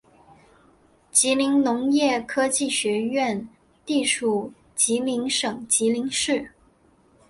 吉林农业科技学院地处吉林省吉林市。